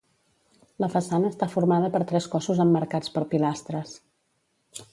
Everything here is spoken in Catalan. La façana està formada per tres cossos emmarcats per pilastres.